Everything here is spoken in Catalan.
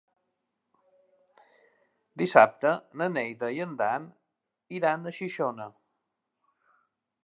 Dissabte na Neida i en Dan iran a Xixona.